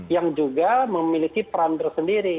yang juga memiliki peran tersendiri